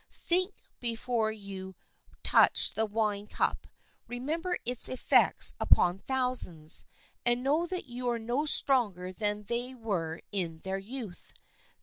Think before you touch the wine cup. Remember its effects upon thousands, and know that you are no stronger than they were in their youth.